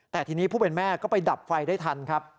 แต่ทีนี้ผู้เป็นแม่ก็ไปดับไฟได้ทันครับ